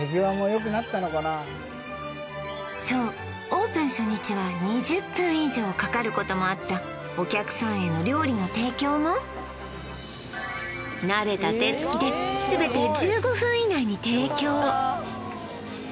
オープン初日は２０分以上かかることもあったお客さんへの料理の提供も慣れた手つきで全て１５分以内に提供